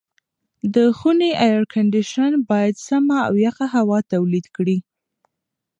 د خونې اېرکنډیشن باید سمه او یخه هوا تولید کړي.